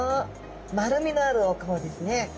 丸みのあるお顔ですね。